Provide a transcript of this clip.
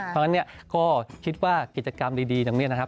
เพราะงั้นก็คิดว่ากิจกรรมดีอย่างนี้นะครับ